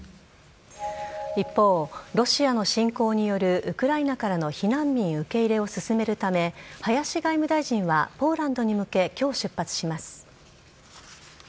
一方ロシアの侵攻によるウクライナからの避難民受け入れを進めるため林外務大臣はポーランドに向け今日、出発します。